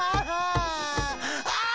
ああ。